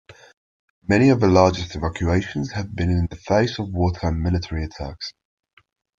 Many of the largest evacuations have been in the face of war-time military attacks.